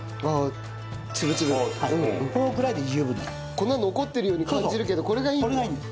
粉残ってるように感じるけどこれがいいんだ。